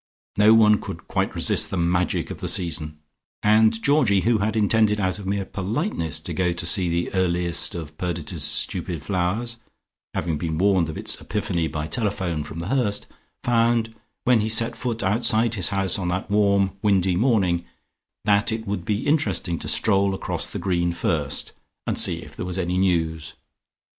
No one could quite resist the magic of the season, and Georgie, who had intended out of mere politeness to go to see the earliest of Perdita's stupid flowers (having been warned of its epiphany by telephone from The Hurst) found, when he set foot outside his house on that warm windy morning, that it would be interesting to stroll across the green first, and see if there was any news.